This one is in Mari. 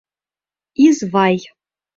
Извай.